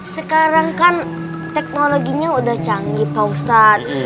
sekarang kan teknologinya sudah canggih pak ustadz